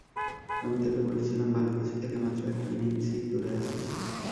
আমি তাকে বলেছিলাম, ভালো কিছু থেকে মাত্র একটা ইনিংসই দূরে আছে সে।